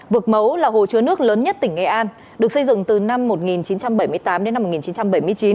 vực mấu là hồ chứa nước lớn nhất tỉnh nghệ an được xây dựng từ năm một nghìn chín trăm bảy mươi tám đến năm một nghìn chín trăm bảy mươi chín